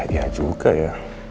ya juga ya